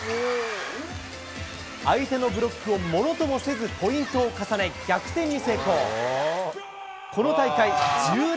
相手のブロックをものともせずポイントを重ね、逆転に成功。